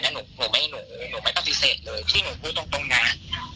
หนูหมายหนูในบรรยาทีเศษเลยถ้าหนูพูดตรงตรงนั้น